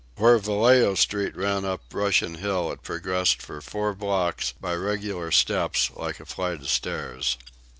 Where Vallejo Street ran up Russian Hill it progressed for four blocks by regular steps like a flight of stairs.